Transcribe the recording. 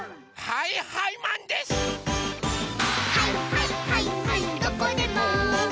「はいはいはいはいマン」